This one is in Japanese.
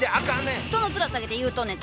どのツラ下げて言うとんねん！